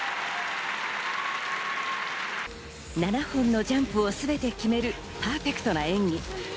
７本のジャンプをすべて決めるパーフェクトな演技。